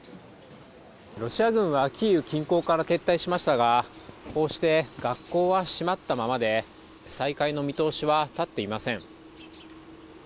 ロシア軍はキーウ近郊から撤退しましたが、こうして学校は閉まったままで、再開の見通しは立っていません。